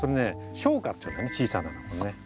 小花っていうんだね小さな花ね。